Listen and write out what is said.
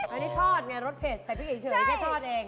อันนี้ทอดไงรสเผ็ดใส่พริกเหนือเฉยเห็นทอดเอง